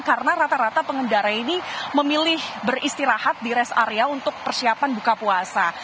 karena rata rata pengendara ini memilih beristirahat di rest area untuk persiapan buka puasa